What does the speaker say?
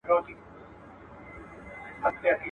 جواب دي راکړ خپل طالع مي ژړوینه.